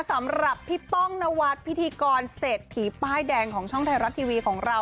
สำหรับพี่ป้องนวัดพิธีกรเศรษฐีป้ายแดงของช่องไทยรัฐทีวีของเรา